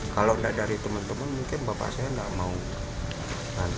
kalau tidak dari teman teman mungkin bapak saya tidak mau nantuk saya ke rumah sakit